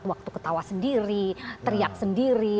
waktu ketawa sendiri teriak sendiri